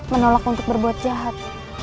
menolak untuk berbuat jahat